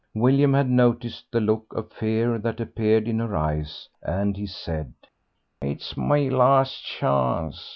William had noticed the look of fear that appeared in her eyes, and he said "It's my last chance.